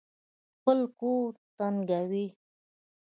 خپل ګور تنګوي.